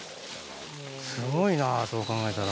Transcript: すごいなそう考えたら。